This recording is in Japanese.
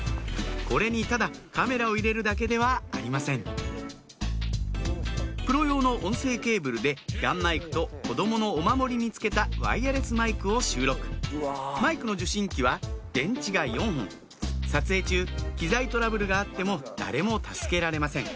これにただカメラを入れるだけではありませんプロ用の音声ケーブルでガンマイクと子供のおまもりに付けたワイヤレスマイクを収録マイクの受信機は電池が４本撮影中機材トラブルがあっても誰も助けられません